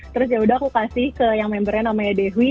terus ya udah aku kasih ke yang membernya namanya dehwi